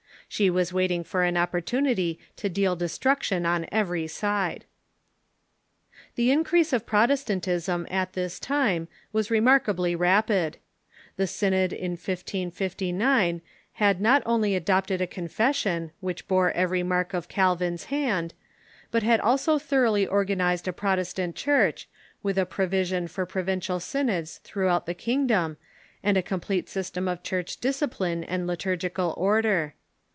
She Avas waiting for an opportunity to deal destruction on every side. The increase of Protestantism at this time was remarkably rapid. The Synod of 1559 had not only adopted a Confession, which bore every mark of Calvin's hand, but had Spread of the ^^^^ thoroughly organized a Protestant Church, Avith Huguenots ..*.. a provision for provincial synods throughout the kingdom, and a complete system of Church discipline and litur gical order.